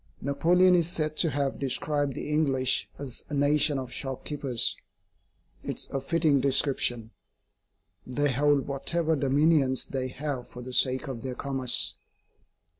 Napoleon is said to have described the English as a nation of shop keepers. It is a fitting description. They hold whatever dominions they have for the sake of their commerce.